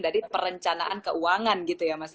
jadi perencanaan keuangan gitu ya mas ya